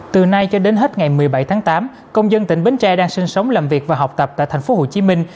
từ nay cho đến hết ngày một mươi bảy tháng tám công dân tỉnh bến tre đang sinh sống làm việc và học tập tại thành phố hồ chí minh